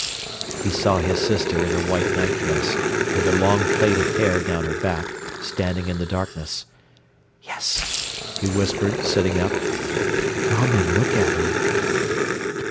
He saw his sister in her white nightdress, with her long plait of hair down her back, standing in the darkness. "Yes?" he whispered, sitting up. "Come and look at her."